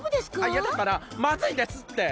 いやだからまずいんですって！